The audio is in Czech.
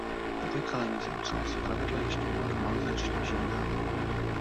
Po vykalení se ocel zpravidla ještě normalizačně žíhá.